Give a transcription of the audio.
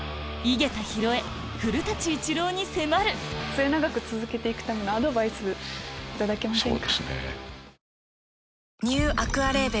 末永く続けていくためのアドバイス頂けませんか？